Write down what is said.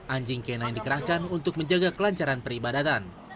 anjing k sembilan dikerahkan untuk menjaga kelancaran peribadatan